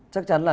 chắc chắn là